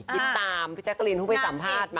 กินตามพี่แจ๊กคะลินผู้ไปสัมภาษณ์มา